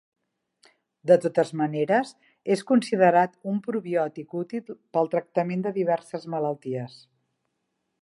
De totes maneres, és considerat un probiòtic útil pel tractament de diverses malalties.